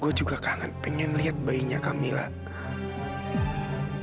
gue juga kangen ingin lihat bayinya kamilah